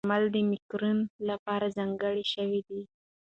درمل د مېګرین لپاره ځانګړي شوي دي.